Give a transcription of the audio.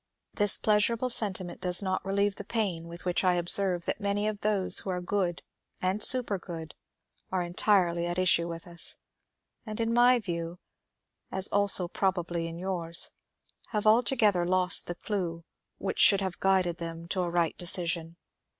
This pleasurable sentiment does not reUeve the pain with which I observe that many of those who are good and supergood are entirely at issue with us, and in my view, as also probably in yours, have altogether lost the clue which should have g^ded them to a right decision.